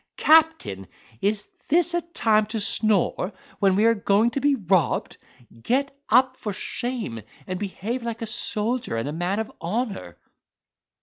captain, is this a time to snore, when we are going to be robbed? Get up for shame, and behave like a soldier and man of honour!"